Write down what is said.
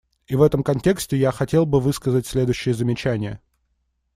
И в этом контексте я хотел бы высказать следующие замечания.